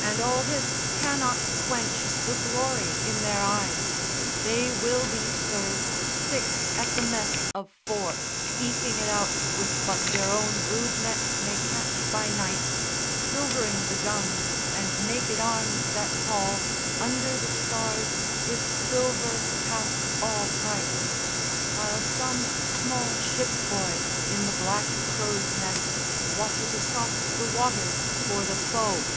and all this cannot quench The glory in their eyes. They will be served Six at the mess of four, eking it out With what their own rude nets may catch by night, Silvering the guns and naked arms that haul Under the stars with silver past all price, While some small ship boy in the black crow's nest Watches across the waters for the foe.